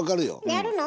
やるの？